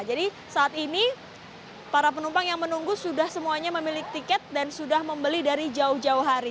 jadi saat ini para penumpang yang menunggu sudah semuanya memiliki tiket dan sudah membeli dari jauh jauh hari